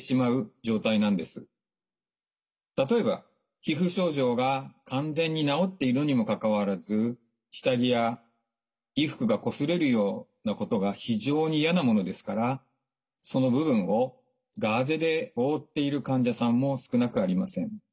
例えば皮膚症状が完全に治っているにもかかわらず下着や衣服がこすれるようなことが非常に嫌なものですからその部分をガーゼで覆っている患者さんも少なくありません。